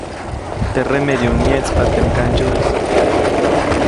Teʼ remedyuʼuŋ myeʼtspa teʼ mgandsyuʼis.